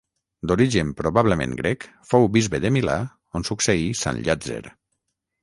D'origen probablement grec, fou bisbe de Milà on succeí sant Llàtzer.